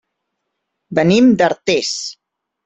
Venim d'Artés.